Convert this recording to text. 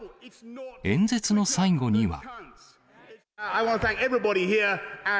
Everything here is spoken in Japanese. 演説の最後には。